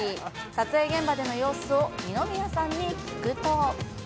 撮影現場での様子を二宮さんに聞くと。